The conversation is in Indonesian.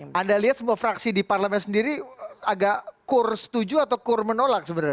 anda lihat semua fraksi di parlemen sendiri agak kur setuju atau kur menolak sebenarnya